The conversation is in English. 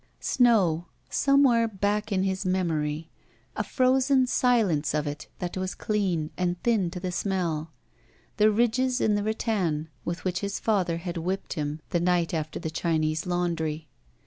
Snow, somewhere back in his memory. A frozen silence of it that was clean and thin to the smell. The ridges in the rattan with which his father had whipped him the night after the Chinese laundiy.